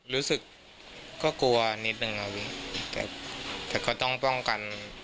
รู้สึกก็กลัวนิดนึงครับพี่แต่แต่ก็ต้องป้องกัน